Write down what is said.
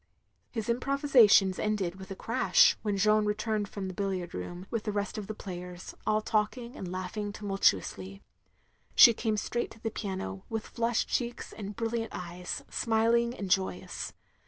His improvisations ended with a crash, when Jeanne returned from the billiard room, with the rest of the players, aU talking and laughing tumtdtuously. She came straight to the piano, with flushed cheeks and brilliant eyes, smiling and joyous.